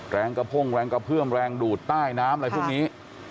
แรงกระโพ่งแรงกระเพื่อมแรงดูดใต้น้ำอะไรพวกนี้